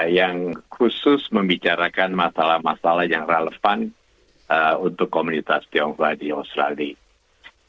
yang khusus membicarakan masalah masalah yang relevan untuk komunitas tionghoa di australia